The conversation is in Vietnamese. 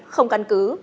không căn cứ